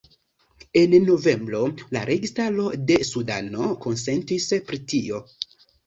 En novembro la registaro de Sudano konsentis pri tio.